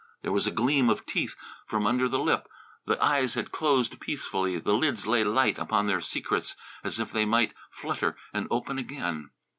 There was a gleam of teeth from under the lip. The eyes had closed peacefully; the lids lay light upon their secrets as if they might flutter and open again.